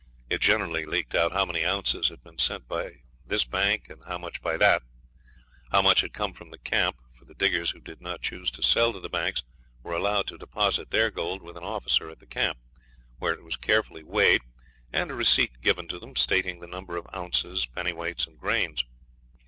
It generally leaked out how many ounces had been sent by this bank and how much by that; how much had come from the camp, for the diggers who did not choose to sell to the banks were allowed to deposit their gold with an officer at the camp, where it was carefully weighed, and a receipt given to them stating the number of ounces, pennyweights, and grains.